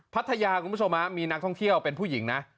พัทยากลุงประสบมามีนักท่องเที่ยวเป็นผู้หญิงนะ